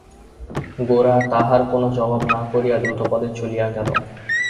গোরা তাহার কোনো জবাব না করিয়া দ্রুতপদে চলিয়া গেল।